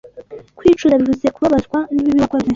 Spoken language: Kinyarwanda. Kwicuza bivuze kubabazwa n’ibibi wakoze